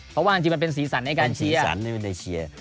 เพราะว่าจริงมันเป็นสีสันในการเชียร์